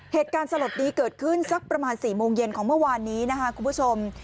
เหตุการณ์สลดดีเกิดขึ้นสักประมาณสี่โมงเย็นของเมื่อวานนี้นะครับคุณผู้ชม